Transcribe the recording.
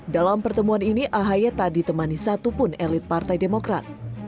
dalam pertemuan ini ahaya tak ditemani satu pun elit partai demokrat